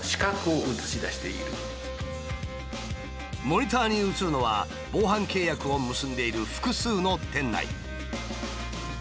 モニターに映るのは防犯契約を結んでいる複数の店内。